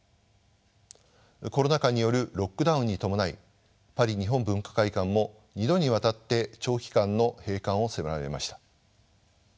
コロナ禍によるロックダウンに伴いパリ日本文化会館も２度にわたって長期間の閉館を迫られました。